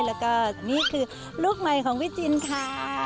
แล้วก็นี่คือลูกใหม่ของพี่จินค่ะ